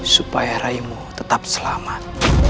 supaya raimu tetap selamat